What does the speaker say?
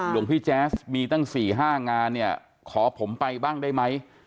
หลวงพี่แจ๊สมีตั้ง๔๕งานเนี่ยขอผมไปบ้างได้ไหม